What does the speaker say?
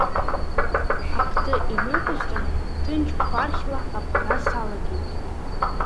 Ақды инықәысҵан, ҭынч хәархьла аԥҟара салагеит.